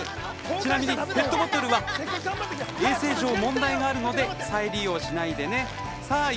ちなみにペットボトルは衛生上、問題があるので再利用しないでね。